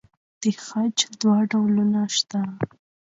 د خج دوه ډولونه شته.